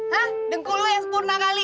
hah dengkul lo yang sempurna kali